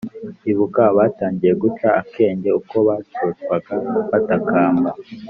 Ibuka abatangiye guca akenge Uko bacocwaga batakamba